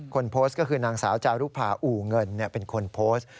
คนโพสก็คือนางสาวเจ้าลูกผ่าอู่เงินเป็นคนโพส